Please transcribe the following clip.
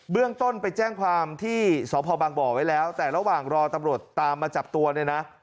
เรื่องต้นไปแจ้งความที่สพบางบ่อไว้แล้วแต่ระหว่างรอตำรวจตามมาจับตัวเนี่ยนะ